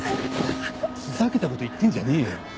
ふざけた事言ってんじゃねえよ。